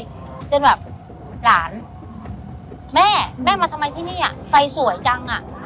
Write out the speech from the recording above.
เราก็ขับก็ไปเรื่อยจนแบบหลานแม่แม่มาทำไมที่เนี้ยไฟสวยจังอะ